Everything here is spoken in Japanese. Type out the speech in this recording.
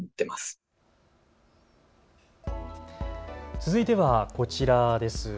続いてはこちらです。